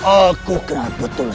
aku kenal betul